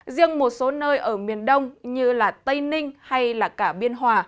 riêng một số nơi ở miền đông như tây ninh hay cả biên hòa